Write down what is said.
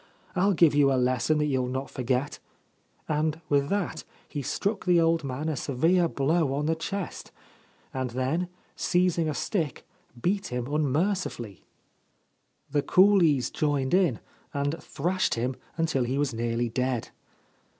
I'll give you a lesson that you will not forget/ And with that he struck the old man a severe blow on the chest, and then, seizing a stick, beat him unmercifully ; the coolies joined in and thrashed him until he was nearly dead.